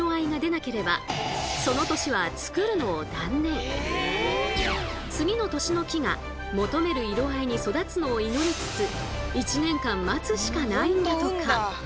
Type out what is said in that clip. しかも次の年の木が求める色合いに育つのを祈りつつ１年間待つしかないんだとか！